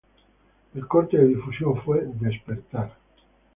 El corte de difusión fue "Despertar".